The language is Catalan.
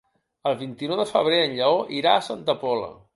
El vint-i-nou de febrer en Lleó irà a Santa Pola.